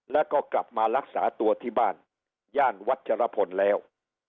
แล้วก็กลับมารักษาตัวที่บ้านย่านวัชรพลแล้ว